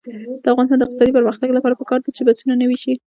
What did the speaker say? د افغانستان د اقتصادي پرمختګ لپاره پکار ده چې بسونه نوي شي.